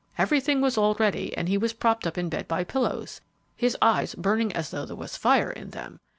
Everything was all ready, and he was propped up in bed by pillows, his eyes burning as though there was fire in them.